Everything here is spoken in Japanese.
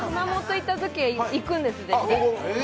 行ったとき、行くんです。